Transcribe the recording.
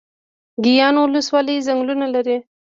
ګیان ولسوالۍ ځنګلونه لري؟